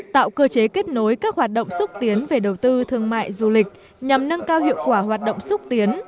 tạo cơ chế kết nối các hoạt động xúc tiến về đầu tư thương mại du lịch nhằm nâng cao hiệu quả hoạt động xúc tiến